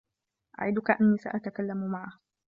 أعدك أنّي سأتكلّم معه.